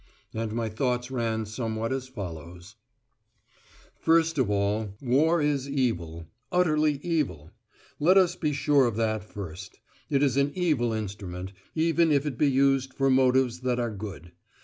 And my thoughts ran somewhat as follows: First of all, War is evil utterly evil. Let us be sure of that first. It is an evil instrument, even if it be used for motives that are good.